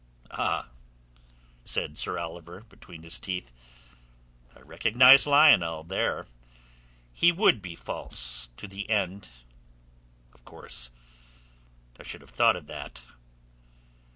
"Ah!" said Sir Oliver between his teeth. "I recognize Lionel there! He would be false to the end, of course. I should have thought of that."